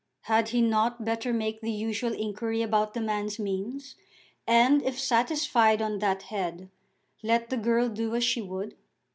Had he not better make the usual inquiry about the man's means, and, if satisfied on that head, let the girl do as she would?